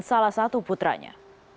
salah satu putranya